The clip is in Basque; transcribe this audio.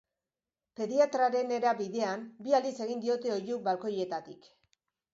Pediatrarenera bidean bi aldiz egin diote oihu balkoietatik.